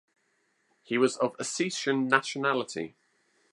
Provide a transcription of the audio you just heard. He was of Ossetian nationality.